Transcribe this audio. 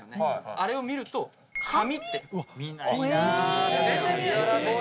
あれを見ると「紙」って。